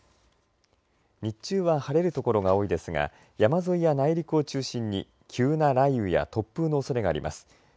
日中は晴れる所が多いですが山沿いや内陸を中心に急な雷雨や突風のおそれがあります。